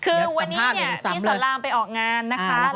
คือวันนี้ที่สอนลามไปออกงานนะคะ